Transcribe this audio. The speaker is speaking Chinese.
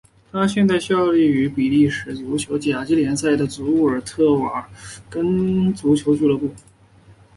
他现在效力于比利时足球甲级联赛的祖尔特瓦雷根足球俱乐部。